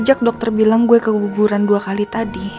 sejak dokter bilang gue keguguran dua kali tadi